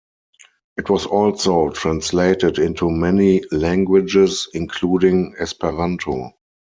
It was also translated into many languages, including Esperanto.